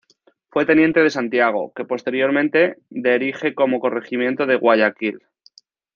Fue teniente de Santiago, que posteriormente de erige como Corregimiento de Guayaquil.